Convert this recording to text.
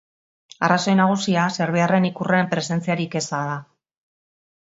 Arrazoi nagusia serbiarren ikurren presentziarik eza da.